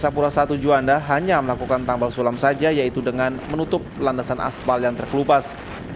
sapura satu juanda hanya melakukan tambal sulam saja yaitu dengan menutup landasan aspal yang terkelupas